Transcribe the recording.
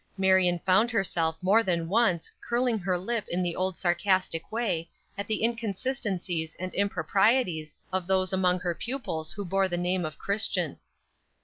Marion found herself more than once curling her lip in the old sarcastic way at the inconsistencies and improprieties of those among her pupils who bore the name of Christian.